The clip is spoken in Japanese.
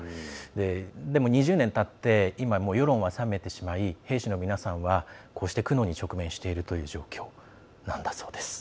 でも、２０年たって今、世論は冷めてしまい兵士の皆さんはこうして苦悩に直面しているという状況なんだそうです。